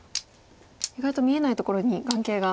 意外と見えないところに眼形が。